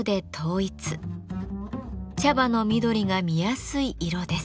茶葉の緑が見やすい色です。